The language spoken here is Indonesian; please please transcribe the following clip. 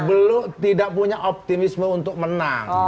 belum tidak punya optimisme untuk menang